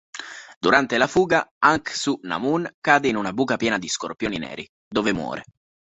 Durante la fuga, Anck-Su-Namun cade in una buca piena di scorpioni neri, dove muore.